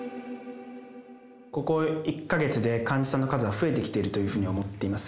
ここ１か月で患者さんの数が増えてきてるというふうに思っています。